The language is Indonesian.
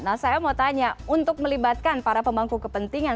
nah saya mau tanya untuk melibatkan para pemangku kepentingan